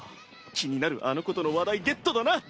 気になるあの子との話題ゲットだな！